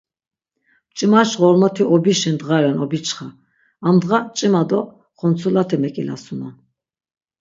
Mç̆imaş ğormoti Obişi dğa ren obiçxa, amdğa mç̆ima do xontsulate mek̆ilasunon.